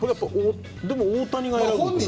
でも、大谷が選ぶんですよね。